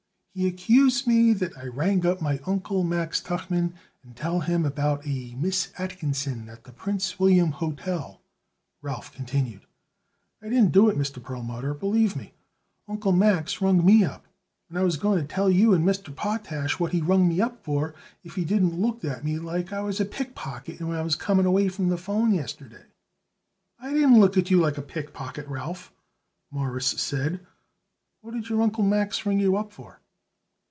"He accuse me that I ring up my Uncle Max Tuchman and tell him about a Miss Atkinson at the Prince William Hotel," Ralph continued. "I didn't do it, Mr. Perlmutter; believe me. Uncle Max rung me up, and I was going to tell you and Mr. Potash what he rung me up for if you didn't looked at me like I was a pickpocket when I was coming away from the 'phone yesterday." "I didn't look at you like a pickpocket, Ralph," Morris said. "What did your Uncle Max ring you up for?"